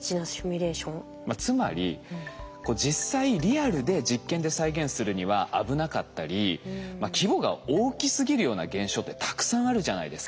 つまり実際リアルで実験で再現するには危なかったり規模が大きすぎるような現象ってたくさんあるじゃないですか。